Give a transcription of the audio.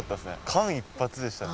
間一髪でしたね。